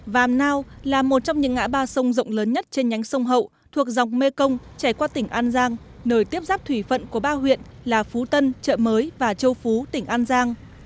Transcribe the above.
vàm nao là một trong những ngã ba sông rộng lớn nhất trên nhánh sông hậu thuộc dọc mê công trải qua tỉnh an giang nơi tiếp giáp thủy phận của ba huyện là phú tân trợ mới và châu phú tỉnh an giang